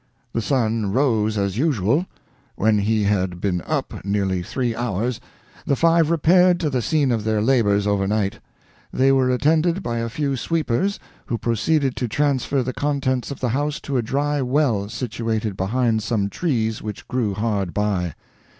"The sun rose as usual. When he had been up nearly three hours the five repaired to the scene of their labors over night. They were attended by a few sweepers, who proceeded to transfer the contents of the house to a dry well situated behind some trees which grew hard by.